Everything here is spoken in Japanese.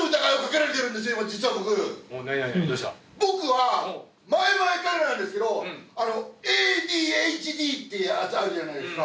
僕は前々からなんですけどＡＤＨＤってやつあるじゃないですか。